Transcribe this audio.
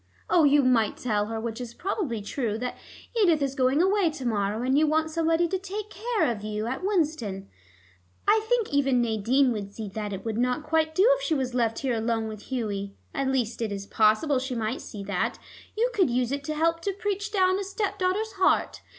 Oh, you might tell her, which is probably true, that Edith is going away to morrow, and you want somebody to take care of you at Winston. I think even Nadine would see that it would not quite do if she was left here alone with Hughie. At least it is possible she might see that: you could use it to help to preach down a stepdaugher's heart.